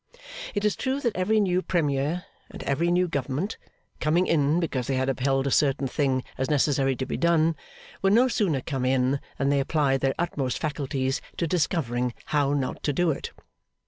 It is true that every new premier and every new government, coming in because they had upheld a certain thing as necessary to be done, were no sooner come in than they applied their utmost faculties to discovering How not to do it.